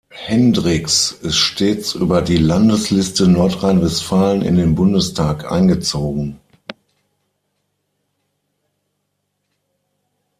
Hendricks ist stets über die Landesliste Nordrhein-Westfalen in den Bundestag eingezogen.